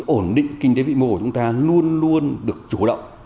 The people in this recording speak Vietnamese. ổn định kinh tế vĩ mô của chúng ta luôn luôn được chủ động